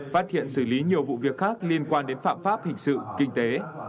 phát hiện xử lý nhiều vụ việc khác liên quan đến phạm pháp hình sự kinh tế